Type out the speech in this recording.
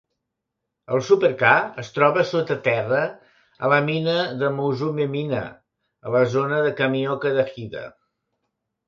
El Super-K es troba sota terra a la mina de Mozumi Mina a la zona de Kamioka de Hida.